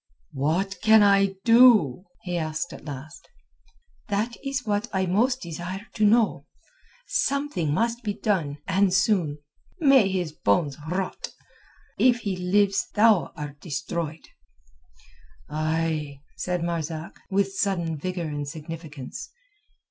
"What can I do?" he asked at last. "That is what I most desire to know. Something must be done, and soon. May his bones rot! If he lives thou art destroyed." "Ay," said Marzak, with sudden vigour and significance.